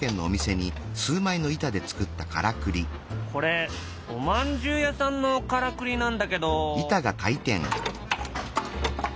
これおまんじゅう屋さんのからくりなんだけど。